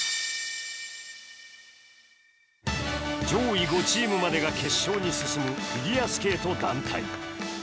上位５チームまでが決勝に進むフィギュアスケート団体。